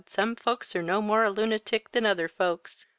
some folks are no more a lunatic than other folks.